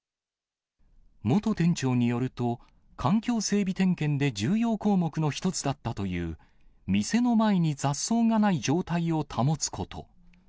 元店長によると、環境整備点検で重要項目の一つだったという、店の前に雑草がない状態を保つこと。